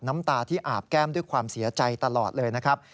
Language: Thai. น้ำตาที่อาบแก้มด้วยความเสียใจตลอดเลยนะครับ